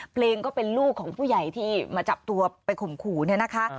เพลงก็เป็นลูกของผู้ใหญ่ที่มาจับตัวไปข่มขู่เนี่ยนะคะ